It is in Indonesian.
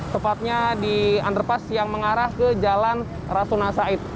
tepatnya di underpass yang mengarah ke jalan rasuna said